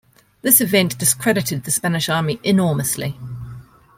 This event discredited the Spanish army enormously.